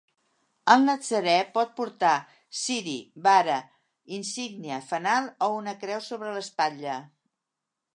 El natzarè pot portar ciri, vara, insígnia, fanal o una creu sobre l'espatlla.